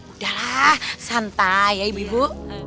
udahlah santai ya ibu ibu